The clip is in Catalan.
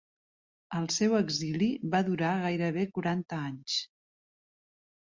El seu exili va durar gairebé quaranta anys.